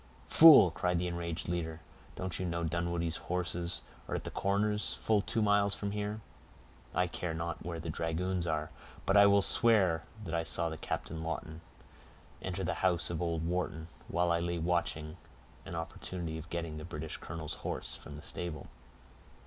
"Fool," cried the enraged leader, "don't you know Dunwoodie's horse are at the Corners, full two miles from here?" "I care not where the dragoons are, but I will swear that I saw Captain Lawton enter the house of old Wharton, while I lay watching an opportunity of getting the British colonel's horse from the stable."